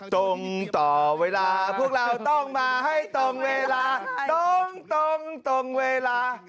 ตรงต่อเวลาพวกเราต้องมาให้ตรงเวลาตรงตรงเวลา